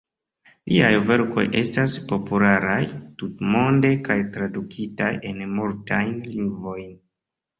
Liaj verkoj estas popularaj tutmonde kaj tradukitaj en multajn lingvojn.